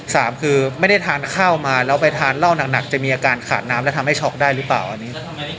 สามคือไม่ได้ทานข้าวมาแล้วไปทานเหล้าหนักจะมีอาการขาดน้ำและทำให้ช็อกได้หรือเปล่าอันนี้